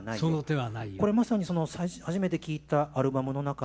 これまさに初めて聴いたアルバムの中の曲。